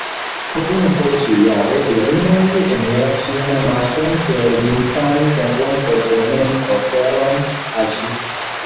Po unu fojo ĉiujare, virinoj eniras ŝian mason-fermitan templon por plenumi oferon al ŝi.